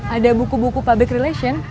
ada buku buku public relation